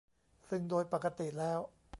ซึ่งโดยปกติแล้ว